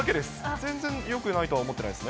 全然よくないとは思ってないですね。